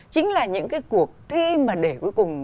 chính là những cái cuộc thi mà để cuối cùng